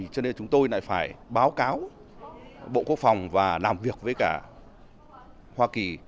cho nên chúng tôi lại phải báo cáo bộ quốc phòng và làm việc với cả hoa kỳ